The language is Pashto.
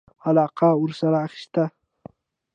علاقه ورسره اخیسته.